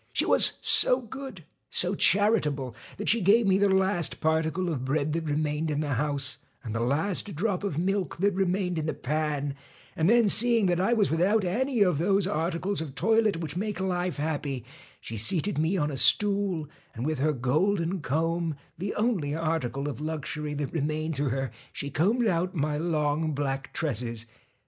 She was so good, so charitable, that she gave me the last particle of bread that remained in the house, and the last drop of milk that remained in the pan, and then, seeing that I was without any of those articles of toilette which 5 TACK make life happy, she seated me on a stool, and ^D THE w ith her golden comb, the only article of luxury STALK tnat remain ed to her, she combed out my long black tresses.